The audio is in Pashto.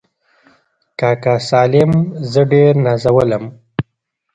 کاکا سالم زه ډېر نازولم.